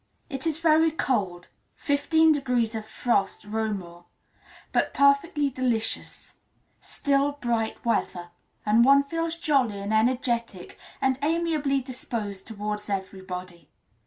It is very cold, fifteen degrees of frost Reaumur, but perfectly delicious, still, bright weather, and one feels jolly and energetic and amiably disposed towards everybody.